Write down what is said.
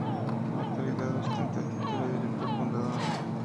En la actualidad ostenta el título de Director Fundador.